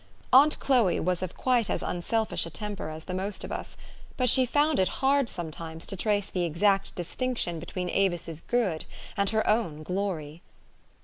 Aunt Chloe was of quite as unselfish a temper as the most of us ; but she found it hard sometimes to trace the exact distinction be tween Avis's good and her own glory.